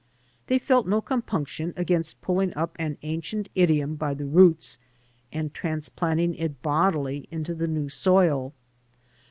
They felt no compunction against pulling up an ancient idiom by the roots and transplanting it bodily into the new soil.